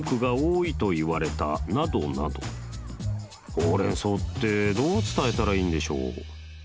ホウ・レン・ソウってどう伝えたらいいんでしょう？